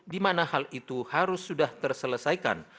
di mana hal itu harus sudah terselesaikan